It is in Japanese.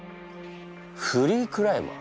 フリークライマー？